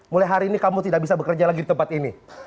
mulai hari ini kamu tidak bisa bekerja lagi di tempat ini